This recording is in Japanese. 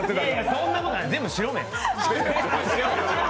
そんなことない、全部白目。